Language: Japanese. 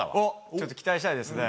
ちょっと期待したいですね。